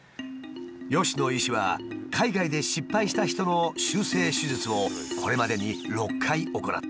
吉野医師は海外で失敗した人の修正手術をこれまでに６回行った。